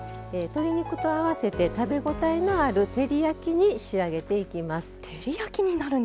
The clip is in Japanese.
鶏肉と合わせて食べ応えのある照り焼きに仕上げていきます。